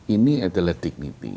ini adalah dignity